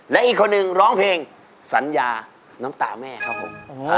และอีกคนนึงร้องเพลงสัญญาน้ำตาแม่ครับผม